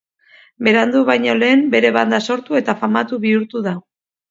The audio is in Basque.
Berandu baino lehen bere banda sortu eta famatu bihurtzen da.